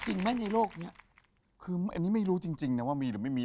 จริงไหมในโลกนี้คืออันนี้ไม่รู้จริงจริงนะว่ามีหรือไม่มี